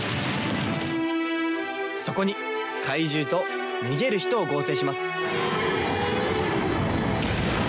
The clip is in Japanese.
そこに怪獣と逃げる人を合成します。